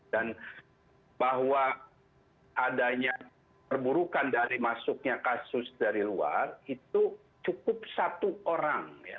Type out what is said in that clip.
dan bahwa adanya perburukan dari masuknya kasus dari luar itu cukup satu orang